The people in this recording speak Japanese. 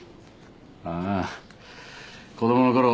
ああ子供のころ